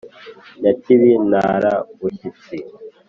Nyakibi ntara bushyitsi